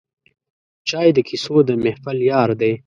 چای د کیسو د محفل یار دی